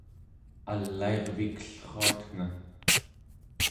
alairvikellruatnga